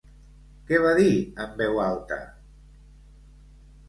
Què va dir en veu alta?